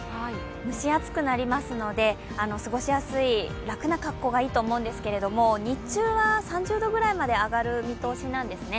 蒸し暑くなりますので過ごしやすい楽な格好がいいと思うんですが、日中は３０度ぐらいまで上がる見通しなんですね。